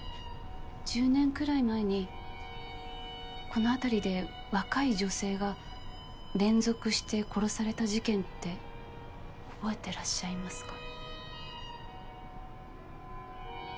１０年くらい前にこの辺りで若い女性が連続して殺された事件って覚えてらっしゃいますか？